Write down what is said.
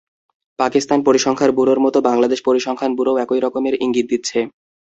পাকিস্তান পরিসংখ্যান ব্যুরোর মতো বাংলাদেশ পরিসংখ্যান ব্যুরোও একই রকমের ইঙ্গিত দিচ্ছে।